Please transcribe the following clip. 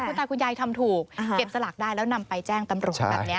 คุณตาคุณยายทำถูกเก็บสลากได้แล้วนำไปแจ้งตำรวจแบบนี้